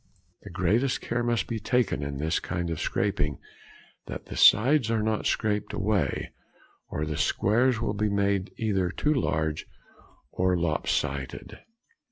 The greatest care must be taken in this kind of scraping that the sides |82| are not scraped away, or the squares will be made either too large or lop sided.